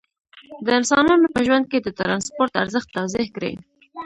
د انسانانو په ژوند کې د ترانسپورت ارزښت توضیح کړئ.